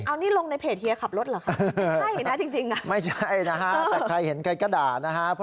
อันนี้ลงในเพจเฮียขับรถหรือครับ